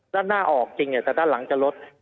ด้านหน้าออกจริงแต่ด้านหลังจะลด